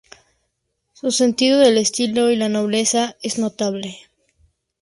Su sentido del estilo y la nobleza es notable.